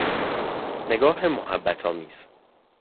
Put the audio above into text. نگاه محبت آمیز